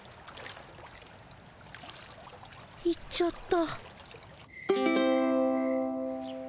行っちゃった。